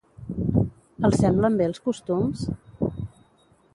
Els semblen bé els costums?